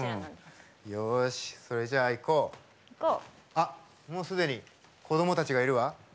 あっもう既に子供たちがいるわ。